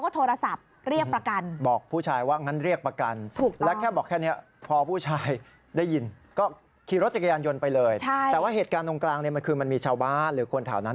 แต่ว่าเหตุการณ์ตรงกลางเนี่ยมันคือมันมีชาวบ้านหรือคนแถวนั้น